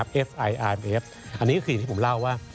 อันนี้คืออย่างที่ที่ผมเล่าว่า